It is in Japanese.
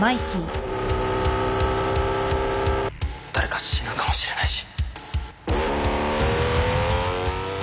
誰か死ぬかもしれないし